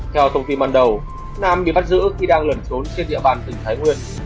theo thông tin ban đầu nam bị bắt giữ khi đang lẩn trốn trên địa bàn tỉnh thái nguyên